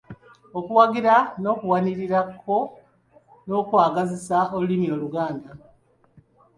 Okuwagira n’okuwanirira ko n’okwagazisa olulimi Oluganda